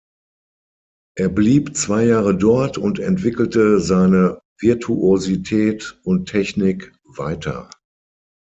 Er blieb zwei Jahre dort und entwickelte seine Virtuosität und Technik weiter.